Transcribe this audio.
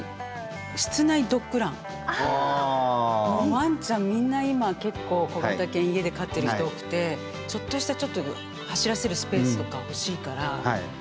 ワンちゃんみんな今結構小型犬家で飼ってる人多くてちょっとした走らせるスペースとか欲しいから。